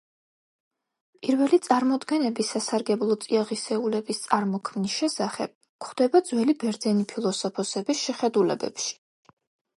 პირველი წარმოდგენები სასარგებლო წიაღისეულების წარმოქმნის შესახებ გვხვდება ძველი ბერძენი ფილოსოფოსების შეხედულებებში.